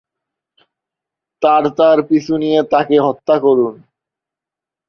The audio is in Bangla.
তারা তার পিছু নিয়ে তাকে হত্যা করেন।